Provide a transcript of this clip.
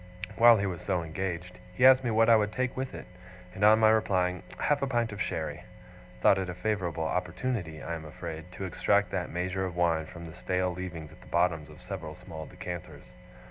While he was so engaged, he asked me what I would take with it; and on my replying 'Half a pint of sherry,' thought it a favourable opportunity, I am afraid, to extract that measure of wine from the stale leavings at the bottoms of several small decanters.